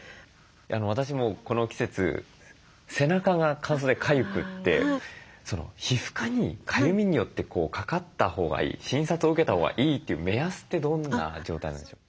私もこの季節背中が乾燥でかゆくて皮膚科にかゆみによってかかったほうがいい診察を受けたほうがいいという目安ってどんな状態なんでしょうか。